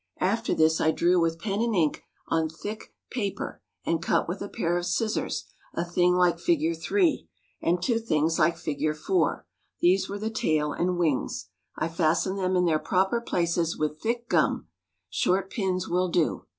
After this I drew with pen and ink on thick paper, and cut with a pair of scissors, a thing like Fig. 3, and two things like Fig. 4; these were the tail and wings. I fastened them in their proper places with thick gum (short pins will do).